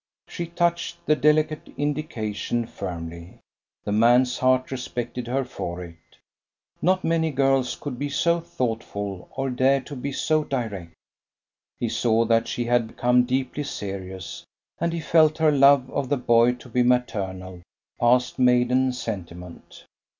She touched the delicate indication firmly. The man's, heart respected her for it; not many girls could be so thoughtful or dare to be so direct; he saw that she had become deeply serious, and he felt her love of the boy to be maternal, past maiden sentiment.